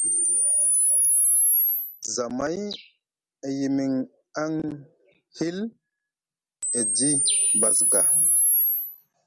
Zamay e yimiŋ aŋ hill edi basga.